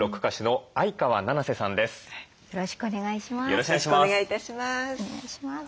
よろしくお願いします。